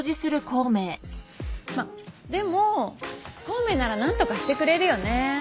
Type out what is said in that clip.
まっでも孔明なら何とかしてくれるよね。